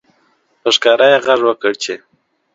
په ښکاره یې غږ وکړ چې